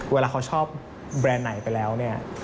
เวลาเขาชอบแบรนด์ไหนไปแล้วเนี่ย